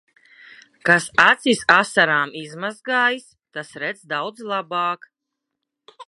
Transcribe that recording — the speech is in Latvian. Kas acis asarām izmazgājis, tas redz daudz labāk.